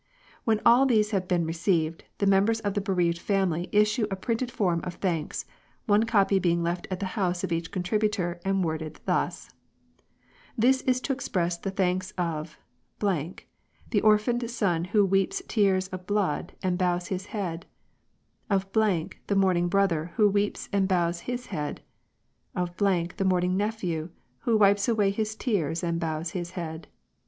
When all these have been received, the members of the bereaved family issue a printed form of thanks, one copy being left at the house of each contributor and worded thus :— "This is to express the thanks of .... the orphaned son who weeps tears of blood and bows his head : of .... the mourning brother who weeps and bows his head : of .... the mourn ing nephew who wipes away his tears and bows his head." :funerals.